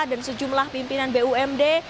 dan sejumlah pimpinan bumd